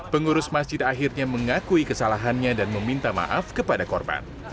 pengurus masjid akhirnya mengakui kesalahannya dan meminta maaf kepada korban